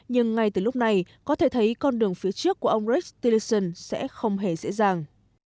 nhưng ngay từ lúc này có thể thấy con đường phía trước của ông rich teleson sẽ không hề dễ dàng